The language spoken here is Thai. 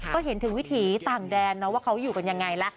ก็เห็นถึงวิถีต่างแดนนะว่าเขาอยู่กันยังไงละ